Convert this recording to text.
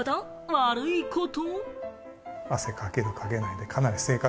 悪いこと？